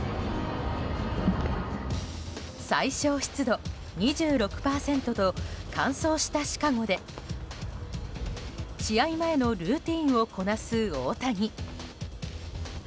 最小湿度２６％と乾燥したシカゴで試合前のルーティンをこなす大谷。